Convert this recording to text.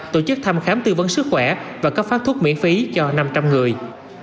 tổ chức thăm khám tư vấn sức khỏe và cấp phát thuốc miễn phí cho năm trăm linh người